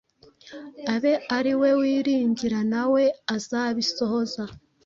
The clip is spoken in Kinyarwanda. abe ari we wiringira na we azabisohoza